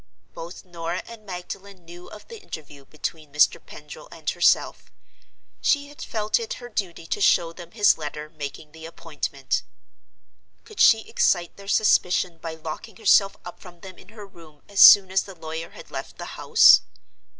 Both Norah and Magdalen knew of the interview between Mr. Pendril and herself; she had felt it her duty to show them his letter making the appointment. Could she excite their suspicion by locking herself up from them in her room as soon as the lawyer had left the house?